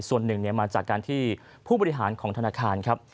ส่วนหนึ่งมาจากการที่ผู้บริหารของธนาคารครับ